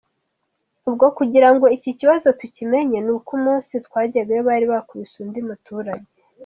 Ubwo kugira ngo iki kibazo tukimenye, ni uko umunsi twajyagayo bari bakubise undi muturage ».